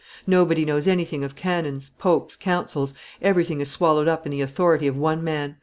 Nobody knows anything of canons, popes, councils; everything is swallowed up in the authority of one man."